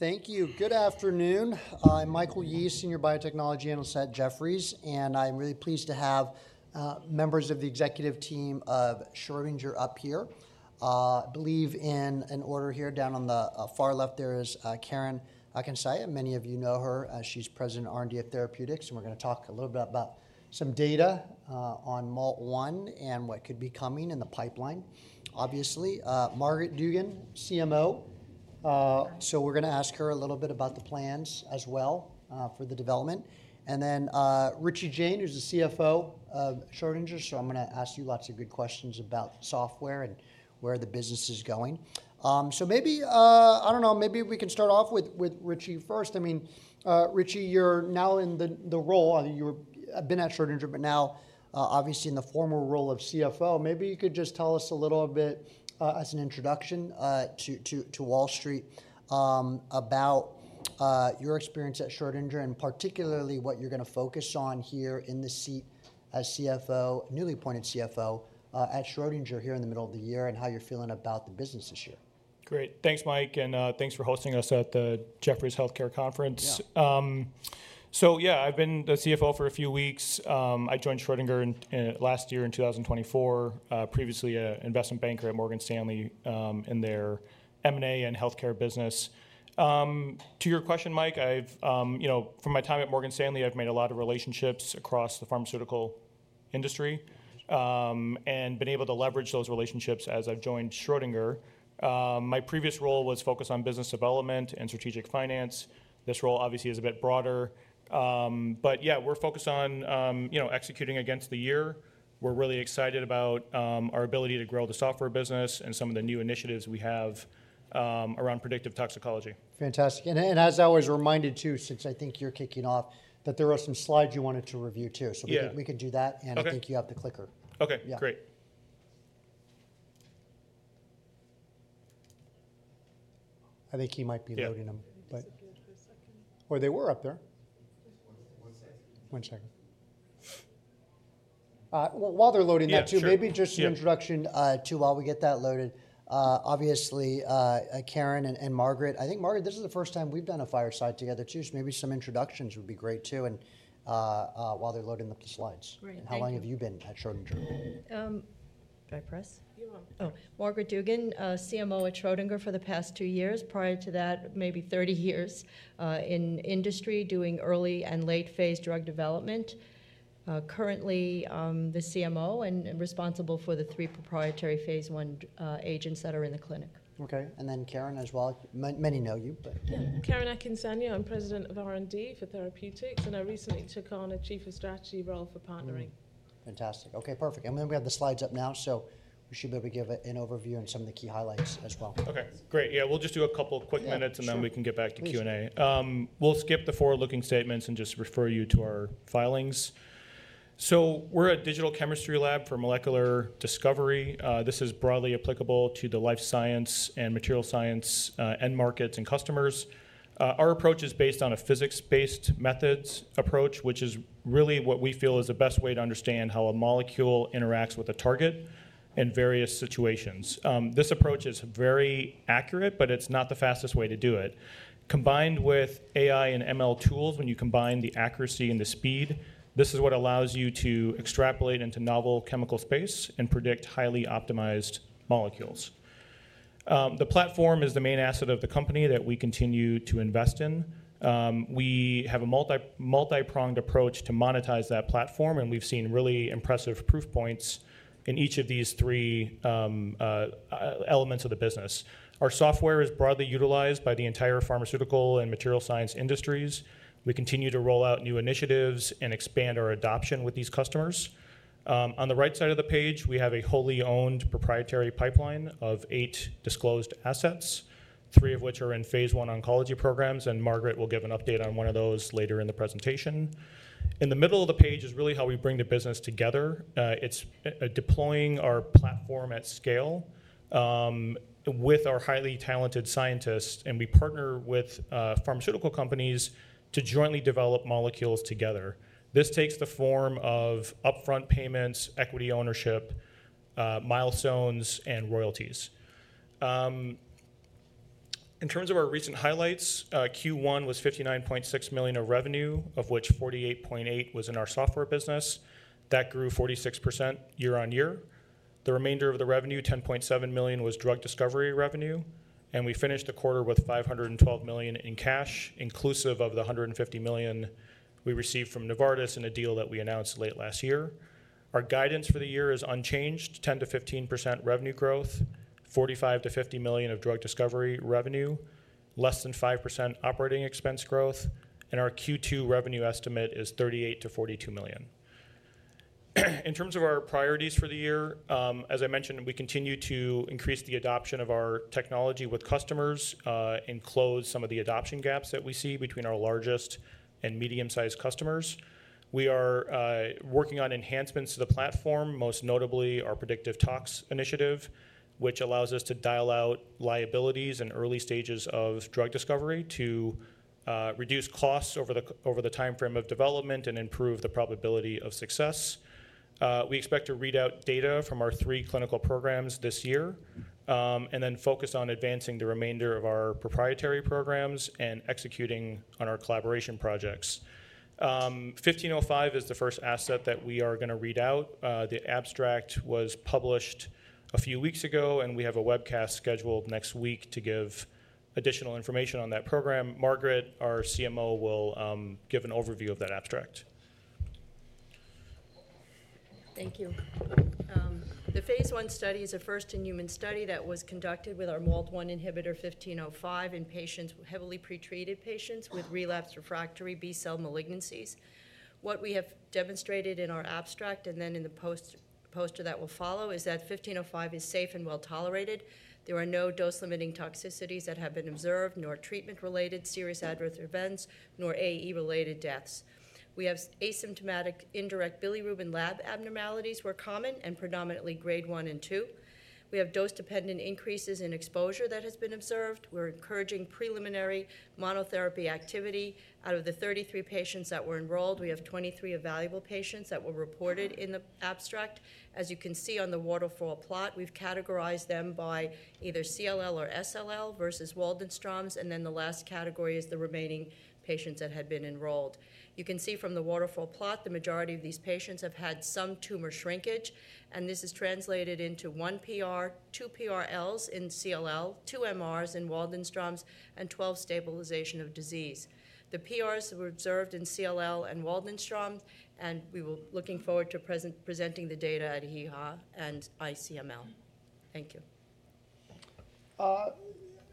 Thank you. Good afternoon. I'm Michael Yee, Senior Biotechnology Analyst at Jefferies, and I'm really pleased to have members of the executive team of Schrödinger up here. I believe in order here down on the far left, there is Karen Akinsanya. Many of you know her as she's President R&D at Therapeutics, and we're going to talk a little bit about some data on MALT1 and what could be coming in the pipeline,. Obviously, Margaret Dugan, CMO. We're going to ask her a little bit about the plans as well for the development. And then Richie Jain, who's the CFO of Schrödinger. I'm going to ask you lots of good questions about software and where the business is going. Maybe, I don't know, maybe we can start off with Richie first. I mean, Richie, you're now in the role, you've been at Schrödinger, but now obviously in the former role of CFO. Maybe you could just tell us a little bit as an introduction to Wall Street about your experience at Schrödinger and particularly what you're going to focus on here in the seat as CFO, newly appointed CFO at Schrödinger here in the middle of the year and how you're feeling about the business this year. Great. Thanks, Mike, and thanks for hosting us at the Jefferies Healthcare Conference. Yeah, I've been the CFO for a few weeks. I joined Schrödinger last year in 2024, previously an investment banker at Morgan Stanley in their M&A and healthcare business. To your question, Mike, from my time at Morgan Stanley, I've made a lot of relationships across the pharmaceutical industry and been able to leverage those relationships as I've joined Schrödinger. My previous role was focused on business development and strategic finance. This role obviously is a bit broader. Yeah, we're focused on executing against the year. We're really excited about our ability to grow the software business and some of the new initiatives we have around predictive toxicology. Fantastic. As I was reminded too, since I think you're kicking off, there were some slides you wanted to review too. We can do that, and I think you have the clicker. Okay, great. I think he might be loading them, but. Can I just get up here a second? Oh, they were up there. Just one second. One second. While they're loading that too, maybe just an introduction too, while we get that loaded. Obviously, Karen and Margaret, I think Margaret, this is the first time we've done a fireside together too. Maybe some introductions would be great too while they're loading up the slides. How long have you been at Schrödinger? Can I press? You're welcome. Oh, Margaret Dugan, CMO at Schrödinger for the past two years. Prior to that, maybe 30 years in industry doing early and late phase drug development. Currently the CMO and responsible for the three proprietary phase I agents that are in the clinic. Okay. And then Karen as well. Many know you, but. Yeah. Karen Akinsanya, I'm President of R&D for Therapeutics, and I recently took on a chief of strategy role for Partnering. Fantastic. Okay, perfect. We have the slides up now, so we should be able to give an overview and some of the key highlights as well. Okay, great. Yeah, we'll just do a couple of quick minutes and then we can get back to Q&A. We'll skip the forward-looking statements and just refer you to our filings. So we're a digital chemistry lab for molecular discovery. This is broadly applicable to the life science and material science end markets and customers. Our approach is based on a physics-based methods approach, which is really what we feel is the best way to understand how a molecule interacts with a target in various situations. This approach is very accurate, but it's not the fastest way to do it. Combined with AI and ML tools, when you combine the accuracy and the speed, this is what allows you to extrapolate into novel chemical space and predict highly optimized molecules. The platform is the main asset of the company that we continue to invest in. We have a multi-pronged approach to monetize that platform, and we've seen really impressive proof points in each of these three elements of the business. Our software is broadly utilized by the entire pharmaceutical and material science industries. We continue to roll out new initiatives and expand our adoption with these customers. On the right side of the page, we have a wholly owned proprietary pipeline of eight disclosed assets, three of which are in phase I oncology programs, and Margaret will give an update on one of those later in the presentation. In the middle of the page is really how we bring the business together. It's deploying our platform at scale with our highly talented scientists, and we partner with pharmaceutical companies to jointly develop molecules together. This takes the form of upfront payments, equity ownership, milestones, and royalties. In terms of our recent highlights, Q1 was $59.6 million of revenue, of which $48.8 million was in our software business. That grew 46% year-on-year. The remainder of the revenue, $10.7 million, was drug discovery revenue, and we finished the quarter with $512 million in cash, inclusive of the $150 million we received from Novartis in a deal that we announced late last year. Our guidance for the year is unchanged, 10%-15% revenue growth, $45 million-$50 million of drug discovery revenue, less than 5% operating expense growth, and our Q2 revenue estimate is $38 million-$42 million. In terms of our priorities for the year, as I mentioned, we continue to increase the adoption of our technology with customers and close some of the adoption gaps that we see between our largest and medium-sized customers. We are working on enhancements to the platform, most notably our predictive tox initiative, which allows us to dial out liabilities in early stages of drug discovery to reduce costs over the timeframe of development and improve the probability of success. We expect to read out data from our three clinical programs this year and then focus on advancing the remainder of our proprietary programs and executing on our collaboration projects. 1505 is the first asset that we are going to read out. The abstract was published a few weeks ago, and we have a webcast scheduled next week to give additional information on that program. Margaret, our CMO, will give an overview of that abstract. Thank you. The phase I study is a first in human study that was conducted with our MALT1 inhibitor 1505 in heavily pretreated patients with relapsed refractory B-cell malignancies. What we have demonstrated in our abstract and then in the poster that will follow is that 1505 is safe and well tolerated. There are no dose-limiting toxicities that have been observed, nor treatment-related serious adverse events, nor AE-related deaths. We have asymptomatic indirect bilirubin lab abnormalities which were common and predominantly grade one and two. We have dose-dependent increases in exposure that have been observed. We are encouraging preliminary monotherapy activity. Out of the 33 patients that were enrolled, we have 23 evaluable patients that were reported in the abstract. As you can see on the waterfall plot, we have categorized them by either CLL or SLL versus Waldenström's, and then the last category is the remaining patients that had been enrolled. You can see from the waterfall plot, the majority of these patients have had some tumor shrinkage, and this is translated into one PR, two PRs in CLL, two MRs in Waldenström's, and 12 stabilization of disease. The PRs were observed in CLL and Waldenström's, and we were looking forward to presenting the data at EHA and ICML. Thank you.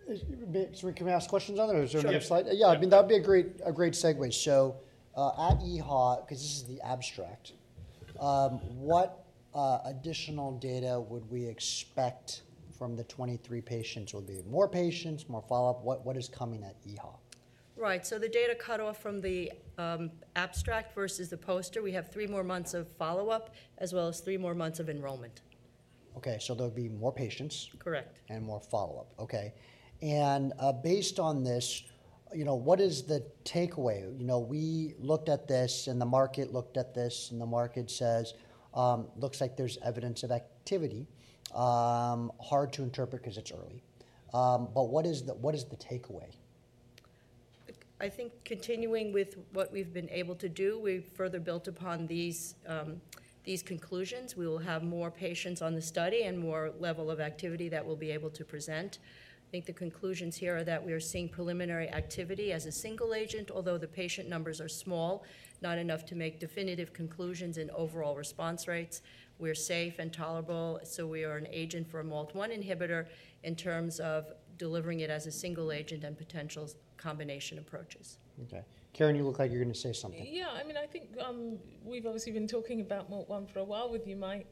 Can we ask questions on that? Is there another slide? Yeah, I mean, that would be a great segue. At EHA, because this is the abstract, what additional data would we expect from the 23 patients? Will there be more patients, more follow-up? What is coming at EHA? Right. The data cut off from the abstract versus the poster, we have three more months of follow-up as well as three more months of enrollment. Okay. There'll be more patients. Correct. More follow-up. Okay. Based on this, what is the takeaway? We looked at this and the market looked at this, and the market says, "Looks like there's evidence of activity. Hard to interpret because it's early." What is the takeaway? I think continuing with what we've been able to do, we've further built upon these conclusions. We will have more patients on the study and more level of activity that we'll be able to present. I think the conclusions here are that we are seeing preliminary activity as a single agent, although the patient numbers are small, not enough to make definitive conclusions in overall response rates. We're safe and tolerable, so we are an agent for a MALT1 inhibitor in terms of delivering it as a single agent and potential combination approaches. Okay. Karen, you look like you're going to say something. Yeah. I mean, I think we've obviously been talking about MALT1 for a while with you, Mike.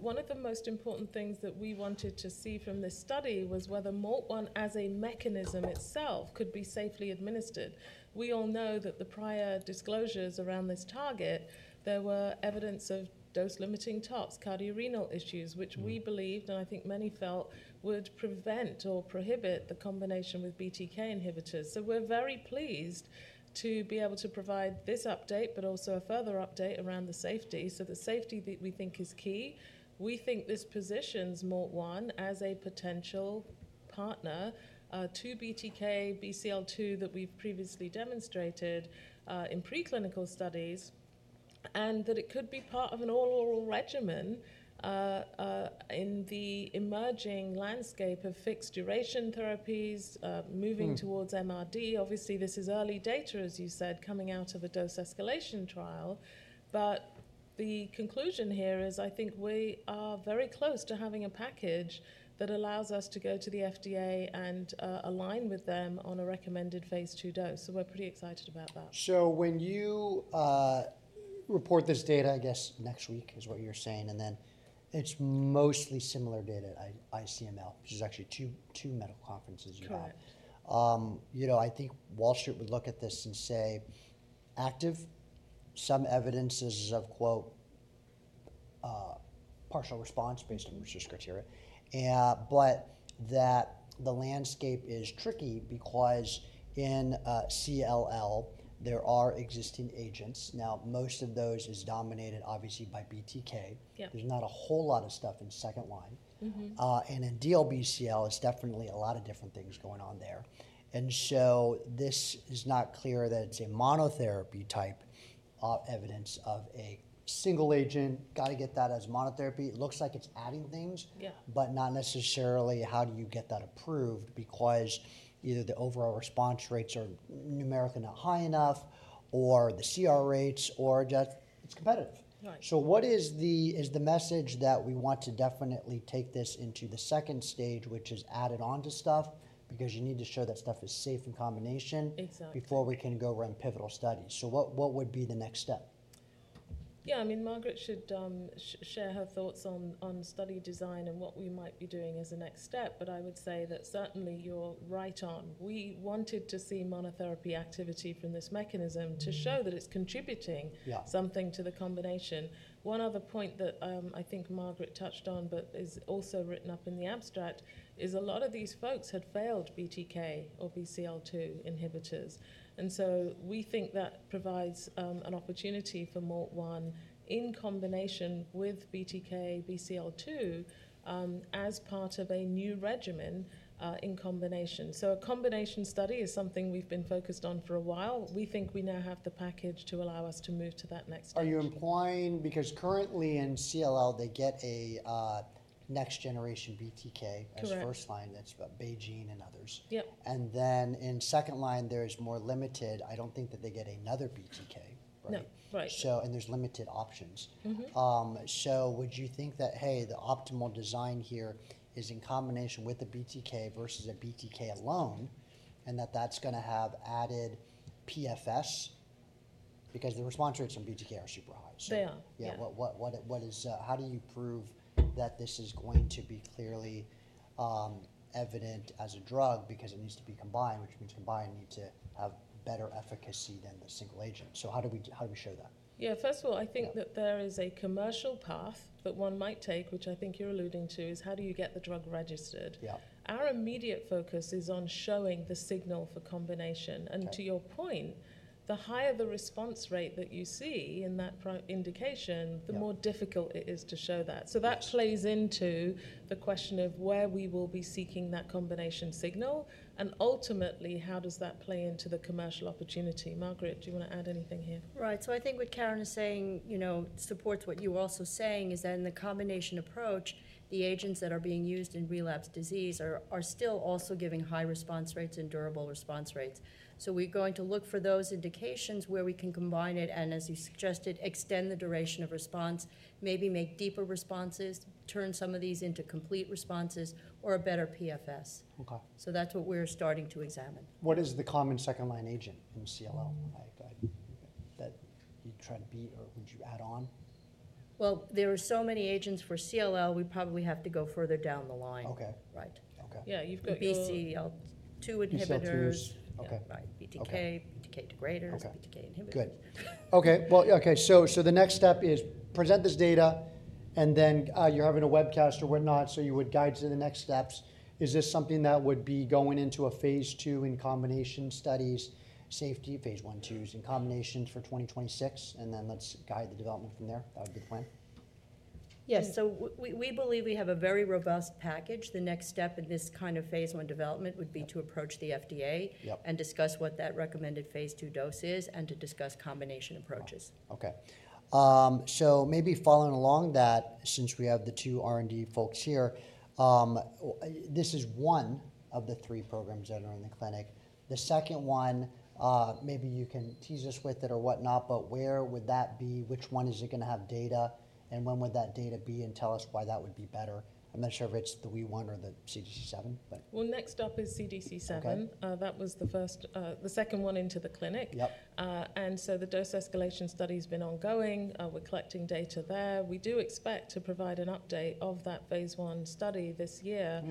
One of the most important things that we wanted to see from this study was whether MALT1 as a mechanism itself could be safely administered. We all know that the prior disclosures around this target, there were evidence of dose-limiting tox, cardiorenal issues, which we believed, and I think many felt, would prevent or prohibit the combination with BTK inhibitors. We are very pleased to be able to provide this update, but also a further update around the safety. The safety that we think is key. We think this positions MALT1 as a potential partner to BTK, BCL2 that we've previously demonstrated in preclinical studies, and that it could be part of an all-oral regimen in the emerging landscape of fixed duration therapies, moving towards MRD. Obviously, this is early data, as you said, coming out of a dose escalation trial. The conclusion here is I think we are very close to having a package that allows us to go to the FDA and align with them on a recommended phase II dose. We are pretty excited about that. When you report this data, I guess next week is what you're saying, and then it's mostly similar data at ICML, which is actually two medical conferences you have. I think Wall Street would look at this and say, "Active, some evidence is of," quote, "partial response based on research criteria," but that the landscape is tricky because in CLL, there are existing agents. Now, most of those is dominated obviously by BTK. There's not a whole lot of stuff in second line. In DLBCL, there's definitely a lot of different things going on there. This is not clear that it's a monotherapy type of evidence of a single agent, got to get that as monotherapy. It looks like it's adding things, but not necessarily how do you get that approved because either the overall response rates are numerically not high enough or the CR rates or just it's competitive. What is the message that we want to definitely take this into the second stage, which is added onto stuff because you need to show that stuff is safe in combination before we can go run pivotal studies? What would be the next step? Yeah, I mean, Margaret should share her thoughts on study design and what we might be doing as a next step, but I would say that certainly you're right on. We wanted to see monotherapy activity from this mechanism to show that it's contributing something to the combination. One other point that I think Margaret touched on, but is also written up in the abstract, is a lot of these folks had failed BTK or BCL2 inhibitors. We think that provides an opportunity for MALT1 in combination with BTK, BCL2 as part of a new regimen in combination. A combination study is something we've been focused on for a while. We think we now have the package to allow us to move to that next step. Are you implying because currently in CLL, they get a next generation BTK as first line, that's BeiGene and others. In second line, there's more limited, I don't think that they get another BTK, right? No. Right. There are limited options. Would you think that, hey, the optimal design here is in combination with a BTK versus a BTK alone and that that's going to have added PFS because the response rates on BTK are super high? They are. Yeah. How do you prove that this is going to be clearly evident as a drug because it needs to be combined, which means combined needs to have better efficacy than the single agent? How do we show that? Yeah. First of all, I think that there is a commercial path that one might take, which I think you're alluding to, is how do you get the drug registered? Our immediate focus is on showing the signal for combination. To your point, the higher the response rate that you see in that indication, the more difficult it is to show that. That plays into the question of where we will be seeking that combination signal. Ultimately, how does that play into the commercial opportunity? Margaret, do you want to add anything here? Right. I think what Karen is saying supports what you were also saying, that in the combination approach, the agents that are being used in relapsed disease are still also giving high response rates and durable response rates. We're going to look for those indications where we can combine it and, as you suggested, extend the duration of response, maybe make deeper responses, turn some of these into complete responses, or a better PFS. That's what we're starting to examine. What is the common second line agent in CLL that you'd try to beat or would you add on? There are so many agents for CLL, we probably have to go further down the line. Okay. Right. Yeah. You've got BCL2 inhibitors. BCL2s. Okay. Right. BTK, BTK degraders, BTK inhibitors. Good. Okay. Okay. The next step is present this data, and then you're having a webcast or whatnot, so you would guide to the next steps. Is this something that would be going into a phase II in combination studies, safety phase I/IIs in combinations for 2026, and then let's guide the development from there? That would be the plan? Yes. We believe we have a very robust package. The next step in this kind of phase one development would be to approach the FDA and discuss what that recommended phase two dose is and to discuss combination approaches. Okay. Maybe following along that, since we have the two R&D folks here, this is one of the three programs that are in the clinic. The second one, maybe you can tease us with it or whatnot, but where would that be? Which one is it going to have data? When would that data be? Tell us why that would be better. I'm not sure if it's the Wee1 or the CDC7, but. Next up is CDC7. That was the second one into the clinic. The dose escalation study has been ongoing. We're collecting data there. We do expect to provide an update of that phase I study this year.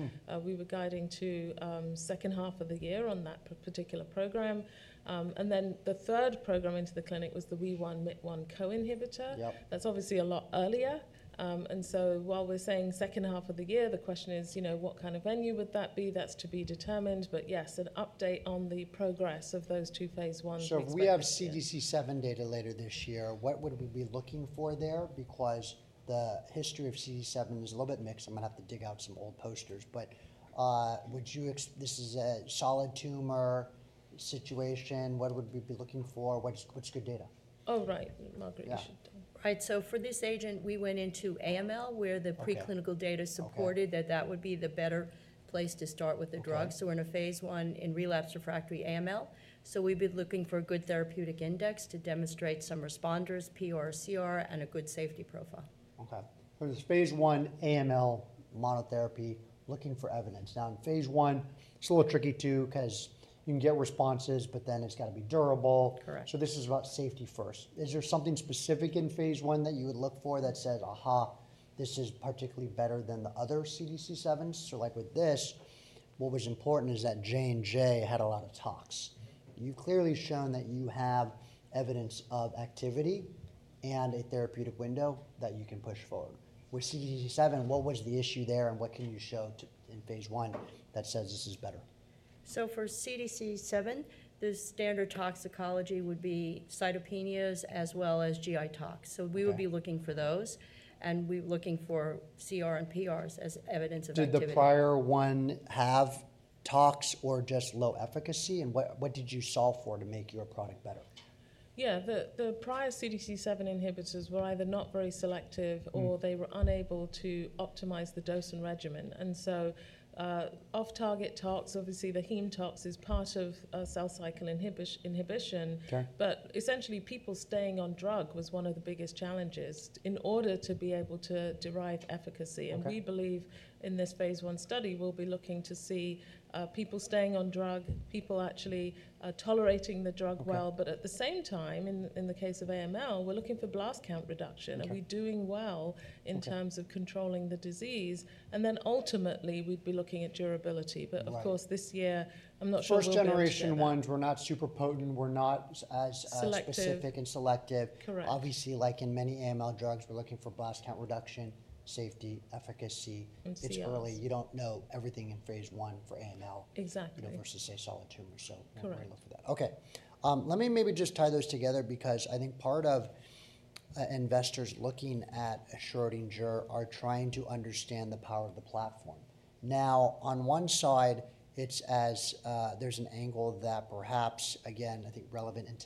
We were guiding to second half of the year on that particular program. The third program into the clinic was the Wee1/Myt1 co-inhibitor. That's obviously a lot earlier. While we're saying second half of the year, the question is, you know, what kind of venue would that be? That's to be determined. Yes, an update on the progress of those two phase I groups. If we have CDC7 data later this year, what would we be looking for there? Because the history of CDC7 is a little bit mixed. I'm going to have to dig out some old posters. This is a solid tumor situation. What would we be looking for? What's good data? Oh, right. Margaret, you should. Right. For this agent, we went into AML where the preclinical data supported that that would be the better place to start with the drug. We are in a phase I in relapsed refractory AML. We have been looking for a good therapeutic index to demonstrate some responders, PR, CR, and a good safety profile. Okay. So this phase one AML monotherapy, looking for evidence. Now, in phase one, it's a little tricky too because you can get responses, but then it's got to be durable. This is about safety first. Is there something specific in phase one that you would look for that says, "Aha, this is particularly better than the other CDC7s"? Like with this, what was important is that J&J had a lot of tox. You've clearly shown that you have evidence of activity and a therapeutic window that you can push forward. With CDC7, what was the issue there and what can you show in phase I that says this is better? For CDC7, the standard toxicology would be cytopenias as well as GI tox. We would be looking for those. We're looking for CR and PRs as evidence of activity. Did the prior one have tox or just low efficacy? What did you solve for to make your product better? Yeah. The prior CDC7 inhibitors were either not very selective or they were unable to optimize the dose and regimen. Off-target tox, obviously the heme tox is part of cell cycle inhibition, but essentially people staying on drug was one of the biggest challenges in order to be able to derive efficacy. We believe in this phase one study, we'll be looking to see people staying on drug, people actually tolerating the drug well. At the same time, in the case of AML, we're looking for blast count reduction. Are we doing well in terms of controlling the disease? Ultimately, we'd be looking at durability. Of course, this year, I'm not sure. First generation ones were not super potent. Were not as specific and selective. Obviously, like in many AML drugs, we're looking for blast count reduction, safety, efficacy. It's early. You don't know everything in phase I for AML versus say solid tumor. We're going to look for that. Okay. Let me maybe just tie those together because I think part of investors looking at Schrödinger are trying to understand the power of the platform. Now, on one side, it's as there's an angle that perhaps, again, I think relevant in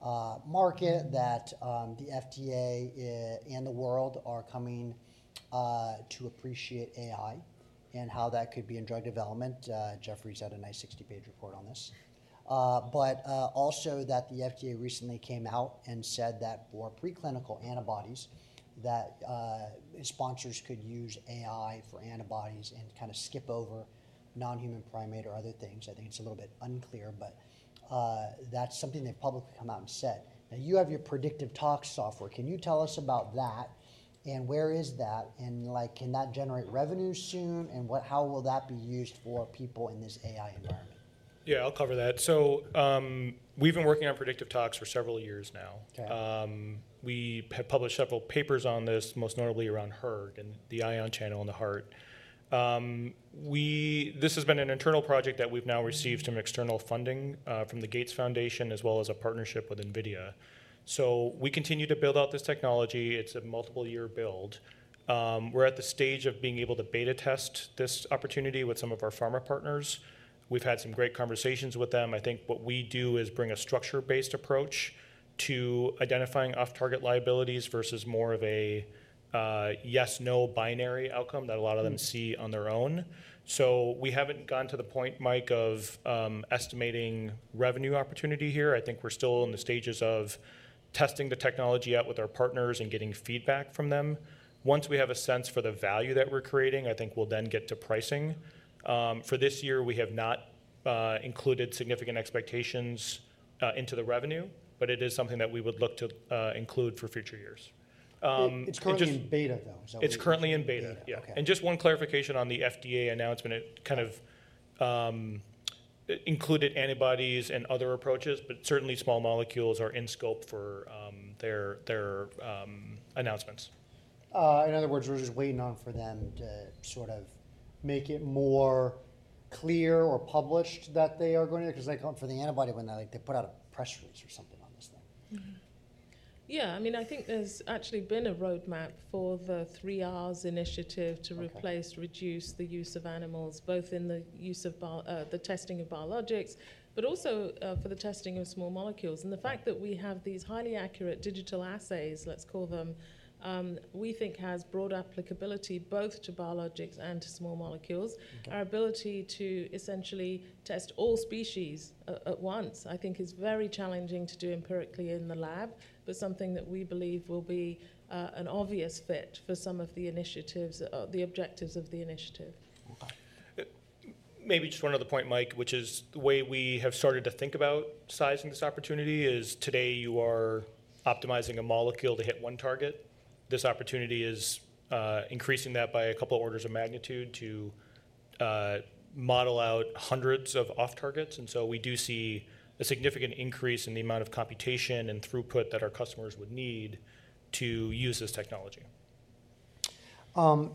today's market that the FDA and the world are coming to appreciate AI and how that could be in drug development. Jefferies had a nice 60-page report on this. Also, the FDA recently came out and said that for preclinical antibodies, that sponsors could use AI for antibodies and kind of skip over non-human primate or other things. I think it's a little bit unclear, but that's something they've publicly come out and said. Now, you have your predictive tox software. Can you tell us about that and where is that? And can that generate revenue soon? And how will that be used for people in this AI environment? Yeah, I'll cover that. We've been working on predictive tox for several years now. We have published several papers on this, most notably around hERG and the ion channel in the heart. This has been an internal project that we've now received some external funding from the Gates Foundation as well as a partnership with NVIDIA. We continue to build out this technology. It's a multiple-year build. We're at the stage of being able to beta test this opportunity with some of our pharma partners. We've had some great conversations with them. I think what we do is bring a structure-based approach to identifying off-target liabilities versus more of a yes/no binary outcome that a lot of them see on their own. We haven't gone to the point, Mike, of estimating revenue opportunity here. I think we're still in the stages of testing the technology out with our partners and getting feedback from them. Once we have a sense for the value that we're creating, I think we'll then get to pricing. For this year, we have not included significant expectations into the revenue, but it is something that we would look to include for future years. It's currently in beta though. It's currently in beta. Yeah. And just one clarification on the FDA announcement, it kind of included antibodies and other approaches, but certainly small molecules are in scope for their announcements. In other words, we're just waiting for them to sort of make it more clear or publish that they are going to because they come for the antibody when they put out a press release or something on this thing. Yeah. I mean, I think there's actually been a roadmap for the 3Rs initiative to replace, reduce the use of animals, both in the use of the testing of biologics, but also for the testing of small molecules. The fact that we have these highly accurate digital assays, let's call them, we think has broad applicability both to biologics and to small molecules. Our ability to essentially test all species at once, I think, is very challenging to do empirically in the lab, but something that we believe will be an obvious fit for some of the initiatives, the objectives of the initiative. Maybe just one other point, Mike, which is the way we have started to think about sizing this opportunity is today, you are optimizing a molecule to hit one target. This opportunity is increasing that by a couple of orders of magnitude to model out hundreds of off-targets. We do see a significant increase in the amount of computation and throughput that our customers would need to use this technology.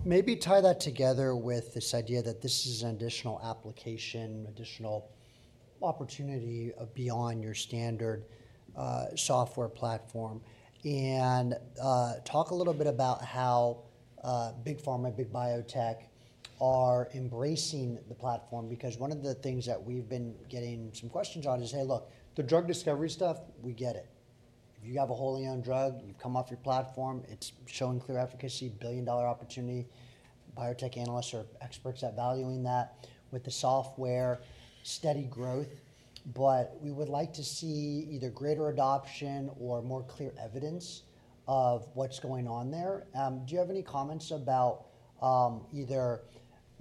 Maybe tie that together with this idea that this is an additional application, additional opportunity beyond your standard software platform. Talk a little bit about how big pharma, big biotech are embracing the platform because one of the things that we've been getting some questions on is, hey, look, the drug discovery stuff, we get it. If you have a wholly owned drug, you've come off your platform, it's showing clear efficacy, billion-dollar opportunity. Biotech analysts are experts at valuing that with the software, steady growth. We would like to see either greater adoption or more clear evidence of what's going on there. Do you have any comments about either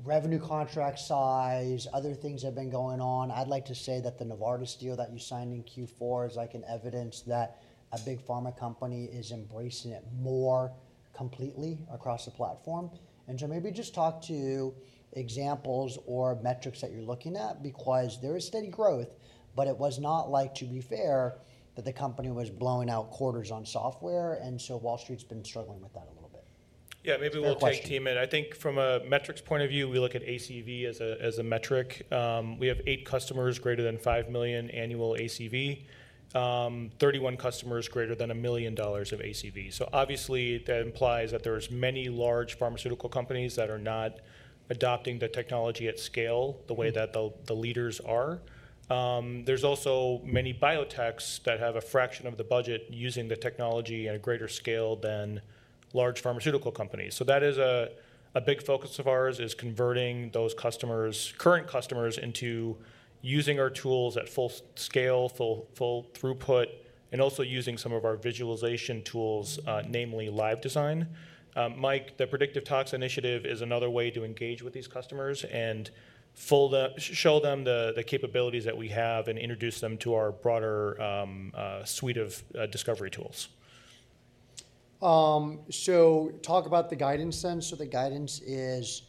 revenue contract size, other things that have been going on? I'd like to say that the Novartis deal that you signed in Q4 is like an evidence that a big pharma company is embracing it more completely across the platform. Maybe just talk to examples or metrics that you're looking at because there is steady growth, but it was not like, to be fair, that the company was blowing out quarters on software. Wall Street's been struggling with that a little bit. Yeah. Maybe we'll tag team it. I think from a metrics point of view, we look at ACV as a metric. We have eight customers greater than $5 million annual ACV, 31 customers greater than $1 million of ACV. Obviously, that implies that there are many large pharmaceutical companies that are not adopting the technology at scale the way that the leaders are. There are also many biotechs that have a fraction of the budget using the technology at a greater scale than large pharmaceutical companies. That is a big focus of ours, converting those customers, current customers, into using our tools at full scale, full throughput, and also using some of our visualization tools, namely LiveDesign. Mike, the predictive tox initiative is another way to engage with these customers and show them the capabilities that we have and introduce them to our broader suite of discovery tools. Talk about the guidance then. The guidance is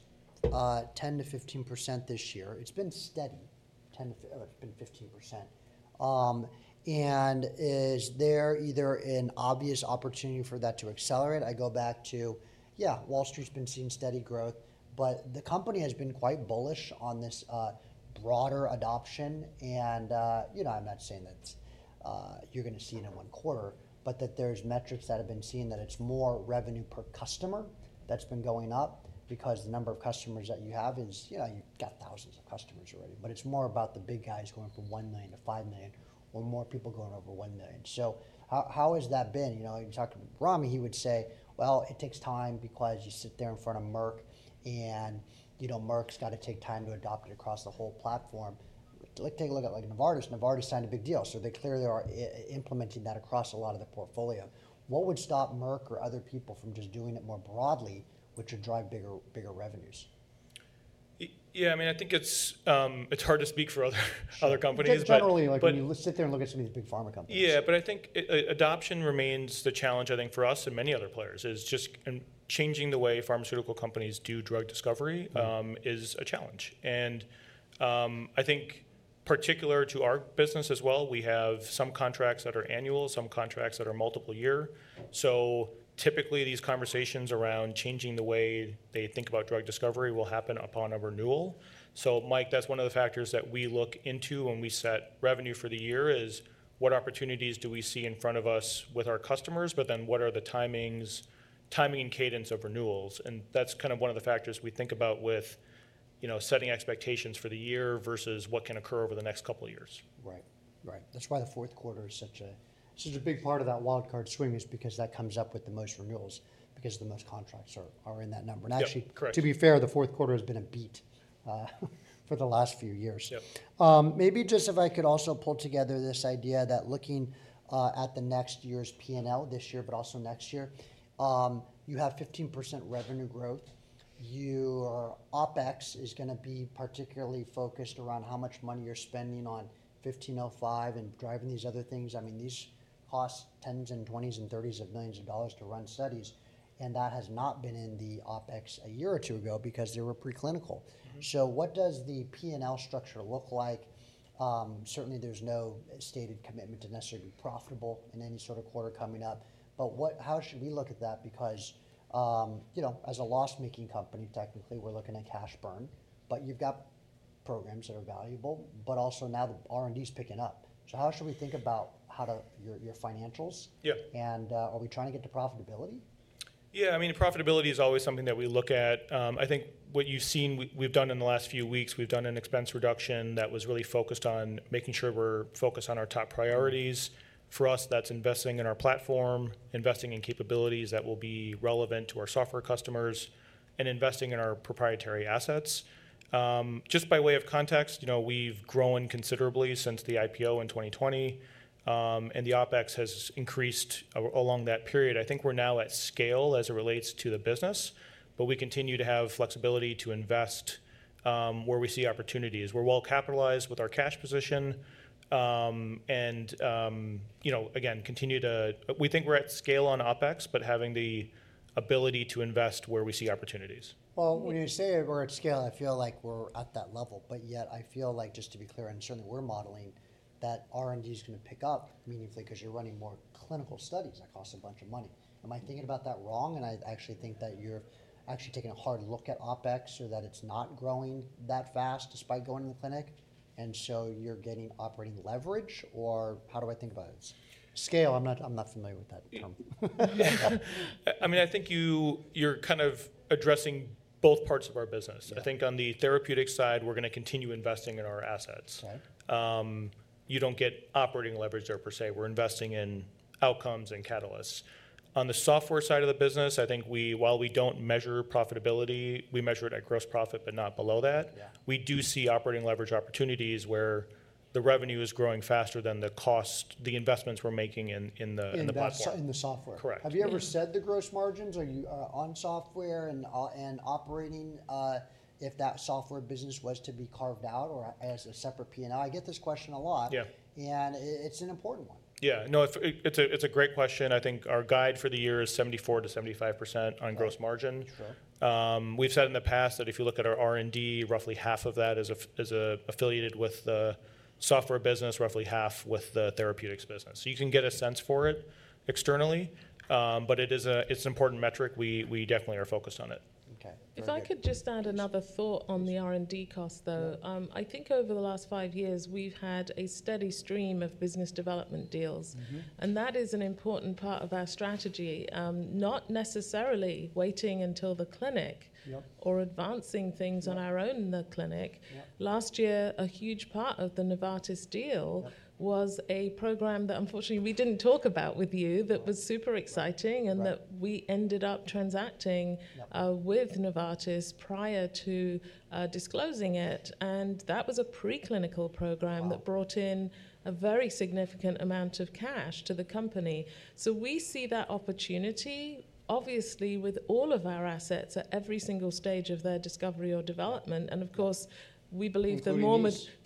10%-15% this year. It's been steady, 10%-15%. Is there either an obvious opportunity for that to accelerate? I go back to, yeah, Wall Street's been seeing steady growth, but the company has been quite bullish on this broader adoption. I'm not saying that you're going to see it in one quarter, but there's metrics that have been seen that it's more revenue per customer that's been going up because the number of customers that you have is, you know, you've got thousands of customers already, but it's more about the big guys going from $1 million to $5 million or more people going over $1 million. How has that been? You talked to Rami, he would say, well, it takes time because you sit there in front of Merck. And Merck's got to take time to adopt it across the whole platform. Take a look at like Novartis. Novartis signed a big deal. So they clearly are implementing that across a lot of the portfolio. What would stop Merck or other people from just doing it more broadly, which would drive bigger revenues? Yeah. I mean, I think it's hard to speak for other companies. Generally, when you sit there and look at some of these big pharma companies. Yeah. I think adoption remains the challenge. I think for us and many other players, just changing the way pharmaceutical companies do drug discovery is a challenge. I think particular to our business as well, we have some contracts that are annual, some contracts that are multiple year. Typically, these conversations around changing the way they think about drug discovery will happen upon a renewal. Mike, that's one of the factors that we look into when we set revenue for the year, is what opportunities do we see in front of us with our customers, but then what are the timing and cadence of renewals? That's kind of one of the factors we think about with setting expectations for the year versus what can occur over the next couple of years. Right. Right. That's why the fourth quarter is such a big part of that wildcard swing is because that comes up with the most renewals because the most contracts are in that number. Actually, to be fair, the fourth quarter has been a beat for the last few years. Maybe just if I could also pull together this idea that looking at the next year's P&L this year, but also next year, you have 15% revenue growth. Your OpEx is going to be particularly focused around how much money you're spending on 1505 and driving these other things. I mean, these cost tens and twenties and thirties of millions of dollars to run studies. That has not been in the OpEx a year or two ago because they were preclinical. What does the P&L structure look like? Certainly, there's no stated commitment to necessarily be profitable in any sort of quarter coming up. How should we look at that? Because as a loss-making company, technically, we're looking at cash burn, but you've got programs that are valuable, but also now the R&D is picking up. How should we think about your financials? Are we trying to get to profitability? Yeah. I mean, profitability is always something that we look at. I think what you've seen we've done in the last few weeks, we've done an expense reduction that was really focused on making sure we're focused on our top priorities. For us, that's investing in our platform, investing in capabilities that will be relevant to our software customers, and investing in our proprietary assets. Just by way of context, we've grown considerably since the IPO in 2020, and the OpEx has increased along that period. I think we're now at scale as it relates to the business, but we continue to have flexibility to invest where we see opportunities, where we'll capitalized with our cash position and, again, continue to, we think we're at scale on OpEx, but having the ability to invest where we see opportunities. When you say we're at scale, I feel like we're at that level. Yet, I feel like just to be clear, and certainly we're modeling that R&D is going to pick up meaningfully because you're running more clinical studies that cost a bunch of money. Am I thinking about that wrong? I actually think that you're actually taking a hard look at OpEx or that it's not growing that fast despite going to the clinic. You're getting operating leverage or how do I think about it? Scale, I'm not familiar with that term. I mean, I think you're kind of addressing both parts of our business. I think on the therapeutic side, we're going to continue investing in our assets. You don't get operating leverage there per se. We're investing in outcomes and catalysts. On the software side of the business, I think while we don't measure profitability, we measure it at gross profit, but not below that. We do see operating leverage opportunities where the revenue is growing faster than the investments we're making in the platform. In the software. Correct. Have you ever said the gross margins on software and operating if that software business was to be carved out or as a separate P&L? I get this question a lot, and it's an important one. Yeah. No, it's a great question. I think our guide for the year is 74%-75% on gross margin. We've said in the past that if you look at our R&D, roughly half of that is affiliated with the software business, roughly half with the therapeutics business. So you can get a sense for it externally, but it's an important metric. We definitely are focused on it. If I could just add another thought on the R&D cost though, I think over the last five years, we've had a steady stream of business development deals, and that is an important part of our strategy, not necessarily waiting until the clinic or advancing things on our own in the clinic. Last year, a huge part of the Novartis deal was a program that unfortunately we didn't talk about with you that was super exciting and that we ended up transacting with Novartis prior to disclosing it. That was a preclinical program that brought in a very significant amount of cash to the company. We see that opportunity, obviously, with all of our assets at every single stage of their discovery or development. Of course, we believe the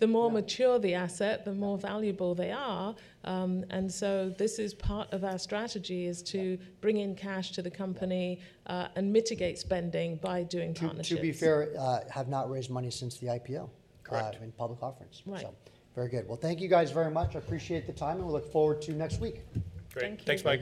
more mature the asset, the more valuable they are. This is part of our strategy is to bring in cash to the company and mitigate spending by doing partnerships. To be fair, have not raised money since the IPO in public offerings. Very good. Thank you guys very much. I appreciate the time and we look forward to next week. Great. Thank you.